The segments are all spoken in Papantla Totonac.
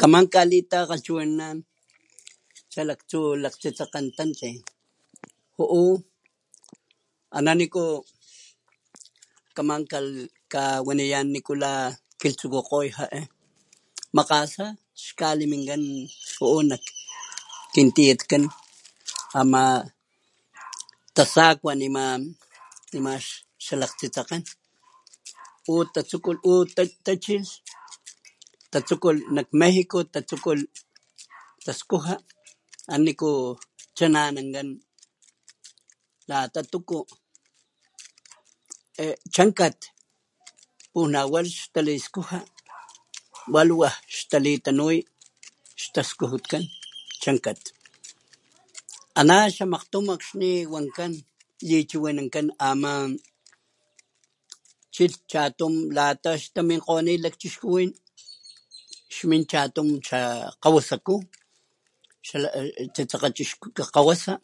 Kaman kalitakgalhchiwinanan xalaktsú lakgtsitsekgen tantlin ju'u ana niku kaman kawaniyán nikula kilhtsukukgoy ja'e makgasa xkaliminkan ju'u nak kintiyatkán ama tasakua nema xalakgtsitsekgen pulh tasukulh pul tachilh tatsukulh nak México tasukulh taskuja aná niku cha'nanankán lata tuku e chankat pula wa xtaliskuja wa liwaj xtalitanuy xtaskujutkan chankat, ana xamakgtún akxni lichiwinankan ama chilh chatun lata xtaminkgonit lakchixkuwin xmin chatun xa kgawasaku xatsitsekge chixku kgawasa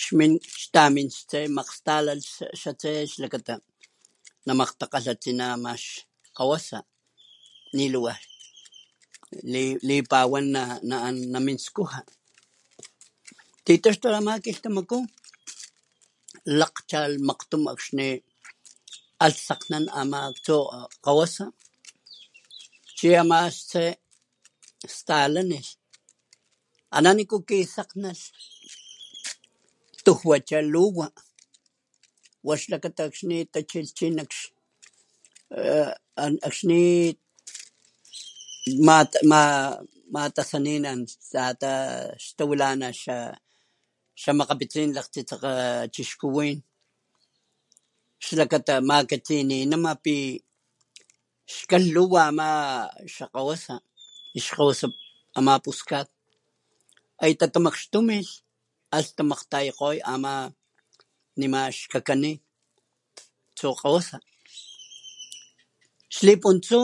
xmín, xtamín ixtse makgstalalh xatse xlakata namakgtakgalha tsina ama xkgawasa niliwaj lipawan na'an namín skuja titaxtulh ama kilhtamakú lakgchalh makgtun akxni alh sakgnan ama tsukgawasa chi ama ixtse stalanilh ana niku kisakgnalh tujwacha luwa wa xlakata akxni tachilh chi nakx e akxni ma'matasaninalh lata xtawilana xamakgapitsin latsitsekga lakchixkuwin xlakata makatsininama pi xkalh luwa lata ama xakgawasa ixkgawasa ama puskat hay tatamakxtumilh alh tamakgtayakgolh ama nima xka'kanit tsukgawasa, xlipuntsu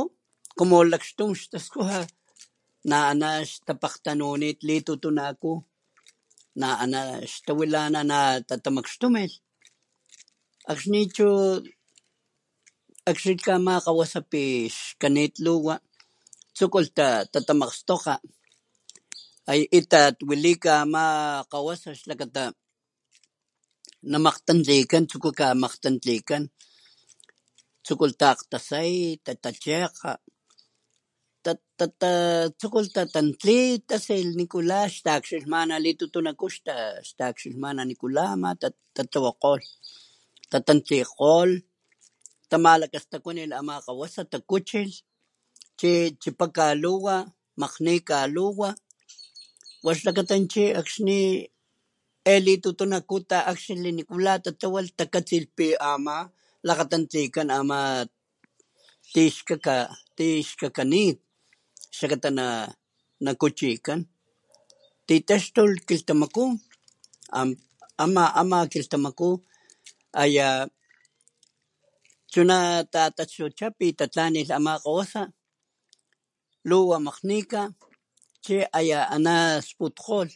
como lakxtun xtaskuja na'ana xtapakgtanunit litutunakú na'ana xtawilana natatamakxtumilh ,akxni chu akxni akxilhka ama kgawasa pi xkanit luwa tsukulh tatamakgstokga hay itat walika ama kgawasa xlakata namakgtantlikan tsukuka makgtantlikan tsukulh takgtasay, tatachekga ta'tatsukulh tatantli tasilh nikula xtakxilhmana litutunakú xtakxilhmana ama nikula tatlawakgolh, tatantlikgolh tamalakastakuanilh ama kgawasa takuchilh chi chapaka luwa, makgnika luwa wa xlakata chi akxni e litutnakú ta'akxilhli nikula tatlawalh takatsilh pi ama lakgatantlikan ama tixkaka tixkakanit xlakata na nakuchikan, titaxtulh kihtamaku ama, ama kilhtamaku aya chuna tataxtucha pi tatlanilh ama kgawasa luwa makgnika chi aya ana sputkgolh.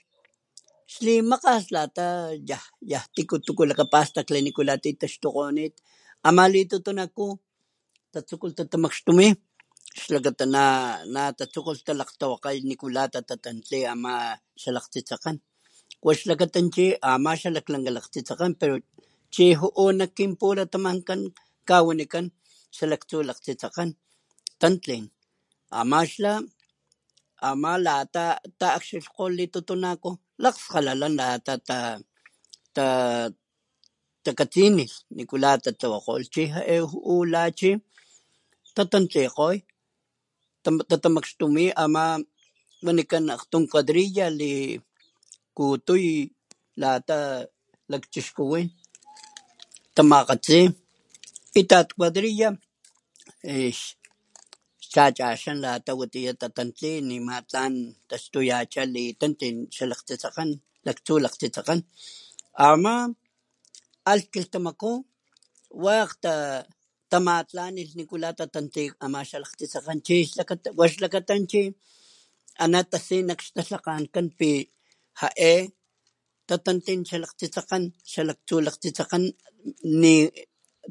Xlimakgas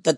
lata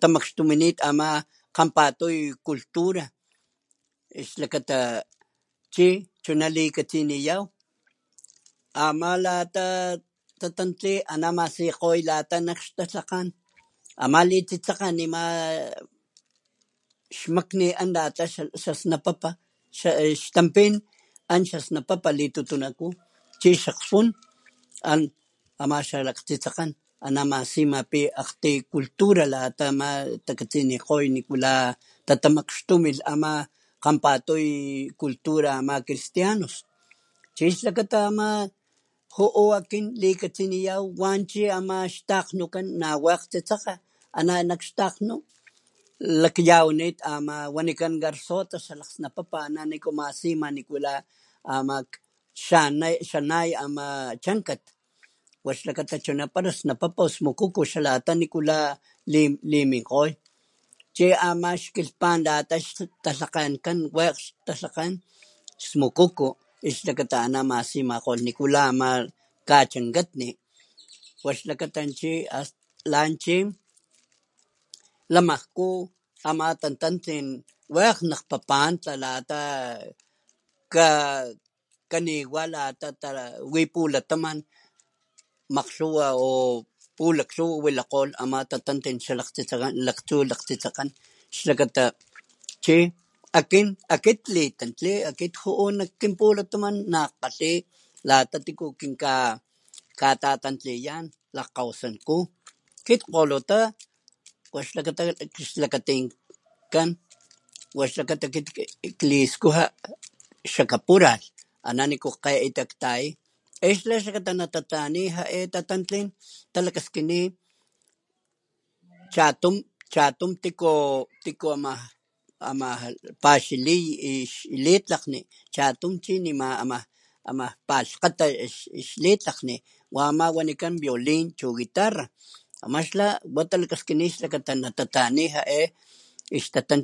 yaj ti tiku tuku lakapastakli tuku lata titaxtukgonit ama litutunakú tatsukulh tatamakxtumi xlakata na natatsukulh talakgtawakay nikula natatantliy ama xalakgtsitsekgen wax lakata ama chi lanka laktsitsekgan chi ju'u nak kinpulatamankan kawanikan xalaktsu lakgtsitsekgan tantlin ama xla ama lata ta'akxilhkgolh li tototonacos lakgskgalalan lata takatsinilh nikula tatlawakgolh chi ja'e, ju'u pula chi tatantlikgoy tatamakxtumi ama wanikán akgtun cuadrilla likutuy lata lakchixkuwín tamakgatsi itat cuadrilla ixcha'chaxan lata watiya tatatantli lata tlan taxtuyacha chi tantlin tsitsekgan ama alh kilhtamaku wakg tamatlanilh lata ama tatantlilh ama xalaktsitsekgan wax xlakata chi ana tasi nakxtalhakgankán pi ja'e tatantlin xalak tsitsekgan xalak tsuaktsisekgan ni án nitatamakxtumint kganpatuy cultura ixlakata chi chuna lilikatsiniyaw ama lata tatantli ana masikgoy lata nak xtalhakgan ama nitsitsekge nima xmakni an lata xasnapapa xa e xtanpin án xasnapapa litutunakú chi xakgspun án ama xalakg tsitsekgen namasima pi akgtuy cultura lata ama takatsinikgoy tatamakxtumilh ama kganpatuy cultura ama cristianos chi xlakata ama ju'u akin likatsiniyaw wanchi ama xtakgnukan nawakg tsitsekge ana nakx xtakgnu lakayawanit ama wanikán garzotas napapa ana niku masima ama la xanat, xanay ama chankat wax xlakata chuna para snapapa o smukukú xalata nikula liminkgoy chi ama xkilhpan lata xtalhakgenkan wakg talhakgan smukukú xlakata ana masimakgolh nikula ama kachankatni wa xlakata lan chi lamajku ama tatantlin wakg nak Papantla lata kaniwa wi pulataman makglhuwa o pulaklhuwa wilakgolh ama tatantlin xalakgtsitsekgan laktsu laktsitsekgan xlakata chi akin akit klitantli akit ju'u kinpulataman najkgalhi lata tiku kinkatatantliyan lajkgawasanku akit kgolota wa xlakata xlakantinkan wa xlakata akit kliskuja xa caporal ana niku kgetaya e xla xlakata natatlani ja'e tatantlin talakaskini chatun, chatun tiku wamaj wa ama paxiliy xlitlakgni, chatun chi ni ama palhkgata xlitlakgni ama wanikan violin chu guitarra ama xla watalakaskini natatlani ja'e ixtatantlin laktsu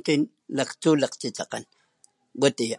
laktsitsekgan watiya.